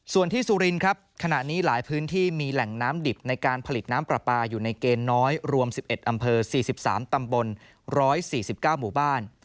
ส่วนที่สุรินครับขณะนี้หลายพื้นที่มีแหล่งน้ำดิบในการผลิตน้ำปลาปลาอยู่ในเกณฑ์น้อยรวม๑๑อำเภอ๔๓ตำบล๑๔๙หมู่บ้าน